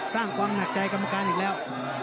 สร้างความหนักใจกรรมการอีกแล้ว